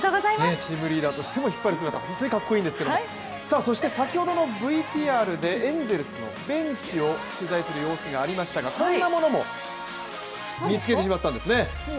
チームリーダーとしても引っ張る姿、本当にかっこいいです先ほどのＶＴＲでエンゼルスのベンチを取材する様子がありましたが、こんなものも見つけてしまったんですね。